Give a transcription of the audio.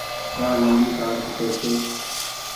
ڪآ ليمبي تآر کپي ڇي۔